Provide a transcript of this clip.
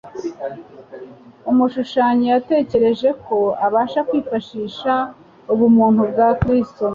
Umushukanyi yatekereje ko abasha kwifashisha ubumuntu bwa Kristo,